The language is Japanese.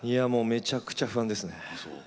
めちゃくちゃ不安ですね。